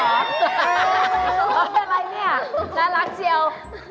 อะไรเนี่ยน่ารักเชียว